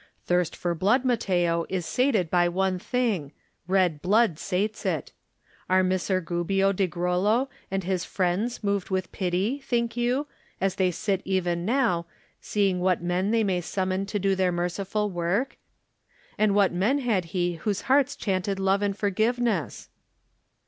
Thirst for blood, Matteo, is sated by one thing — ^red blood sates it. Are Mes ser Gubbia di Grollo and his friends moved with pity, think you, as they sit even now, seeing what men they may summon to do their merciful work; and what men had he whose hearts chanted love and forgiveness?"